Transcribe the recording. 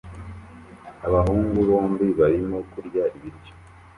Abahungu bombi barimo kurya ibiryo